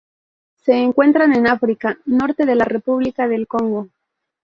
Se encuentran en África: norte de la República del Congo.